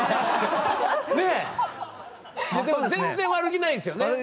でも全然悪気ないんですよね？